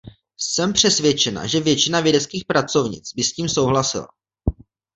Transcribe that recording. Jsem přesvědčena, že většina vědeckých pracovnic by s tím souhlasila.